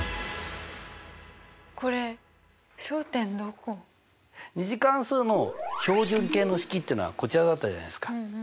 これ２次関数の標準形の式というのはこちらだったじゃないですか。